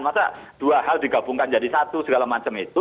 masa dua hal digabungkan jadi satu segala macam itu